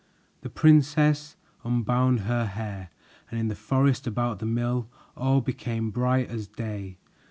The princess unbound her hair, and in the forest about the mill all became bright as day.